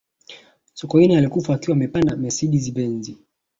sokoine alikufa akiwa amepanda mercedes benz